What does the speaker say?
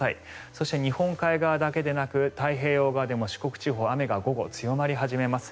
そして日本海側だけではなく太平洋側でも四国地方午後雨が強まります。